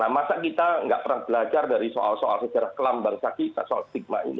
masa kita nggak pernah belajar dari soal soal sejarah kelam bangsa kita soal stigma ini